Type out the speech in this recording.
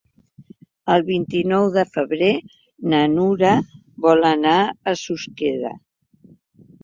El vint-i-nou de febrer na Nura vol anar a Susqueda.